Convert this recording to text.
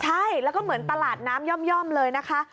ใช่แล้วก็เหมือนตลาดน้ำย่อมเลยนะคะ